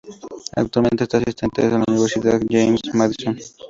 Actualmente es asistente en la Universidad James Madison.